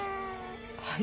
はい。